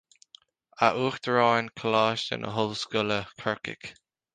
A Uachtaráin Coláiste na hOllscoile Corcaigh